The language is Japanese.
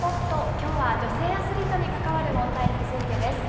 きょうは女性アスリートに関わる問題についてです。